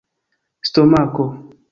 stomako